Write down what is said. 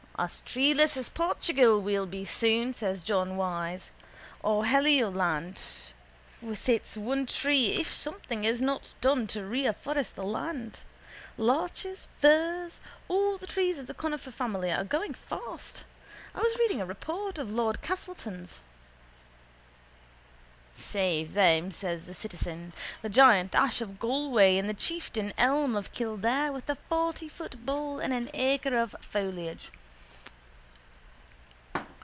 —As treeless as Portugal we'll be soon, says John Wyse, or Heligoland with its one tree if something is not done to reafforest the land. Larches, firs, all the trees of the conifer family are going fast. I was reading a report of lord Castletown's... —Save them, says the citizen, the giant ash of Galway and the chieftain elm of Kildare with a fortyfoot bole and an acre of foliage.